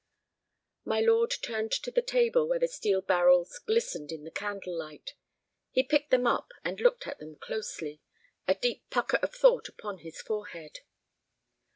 My lord turned to the table where the steel barrels glistened in the candle light. He picked them up and looked at them closely, a deep pucker of thought upon his forehead.